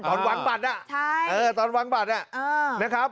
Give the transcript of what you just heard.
ตอนหวังบัตรน่ะใช่ตอนหวังบัตรน่ะนะครับ